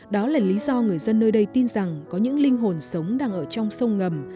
đó là lý do người dân nơi đây tin rằng có những linh hồn sống đang ở trong sông ngầm